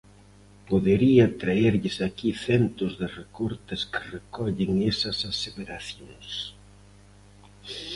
Podería traerlles aquí centos de recortes que recollen esas aseveracións.